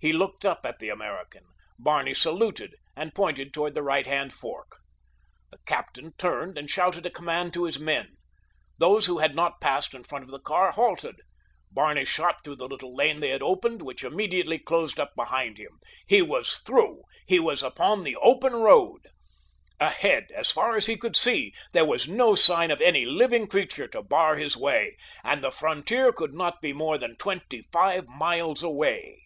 He looked up at the American. Barney saluted and pointed toward the right hand fork. The captain turned and shouted a command to his men. Those who had not passed in front of the car halted. Barney shot through the little lane they had opened, which immediately closed up behind him. He was through! He was upon the open road! Ahead, as far as he could see, there was no sign of any living creature to bar his way, and the frontier could not be more than twenty five miles away.